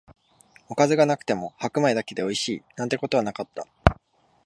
おかずがなくても白米だけでおいしい、なんてことはなかった